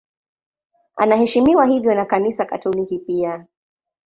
Anaheshimiwa hivyo na Kanisa Katoliki pia.